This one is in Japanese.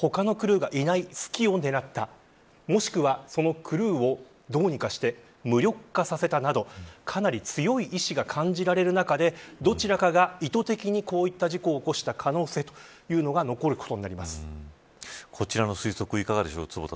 例えば他のクルーがいない隙を狙ったもしくはそのクルーをどうにかして無力化させたなど、かなり強い意志が感じられる中でどちらかが意図的にこういった事故を起こした可能性というのが残る可能性があります。